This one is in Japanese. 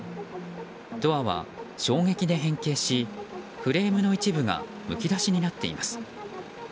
ドアは衝撃で変形しフレームの一部がむき出しになっています。